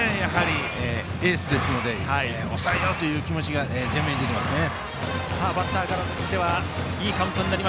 エースですので抑えようという気持ちが前面に出ていますね。